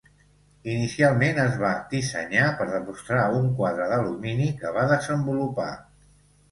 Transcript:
Inicialment es va di senyar per demostrar un quadre d'alumini que va desenvolupar.